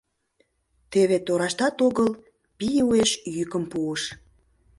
Теве тораштат огыл пий уэш йӱкым пуыш.